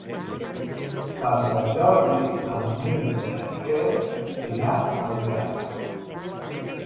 Per Sant Jordi en Nil i en Quer iran al teatre.